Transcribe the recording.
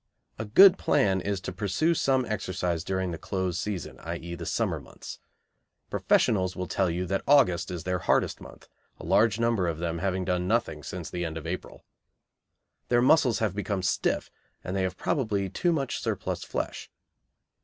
A good plan is to pursue some exercise during the "close" season, i.e., the summer months. Professionals will tell you that August is their hardest month, a large number of them having done nothing since the end of April. Their muscles have become stiff, and they have probably too much surplus flesh.